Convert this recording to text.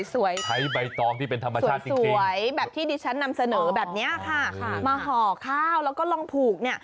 ใช้ใบตองที่เป็นธรรมชาติสวยแบบที่ดิฉันนำเสนอแบบนี้ค่ะมาห่อข้าวแล้วก็ลองผูกเนี่ย